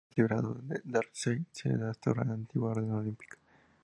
Una vez liberado de Darkseid, se restaura la antigua orden olímpica.